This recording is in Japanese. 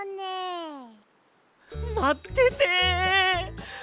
まってて。